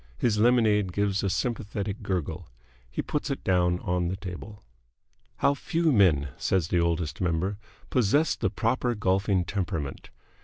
His lemonade gives a sympathetic gurgle. He puts it down on the table. How few men, says the Oldest Member, possess the proper golfing temperament!